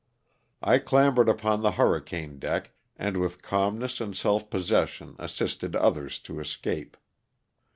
I clambered upon the hurricane deck and with calmness and self possession assisted others to escape.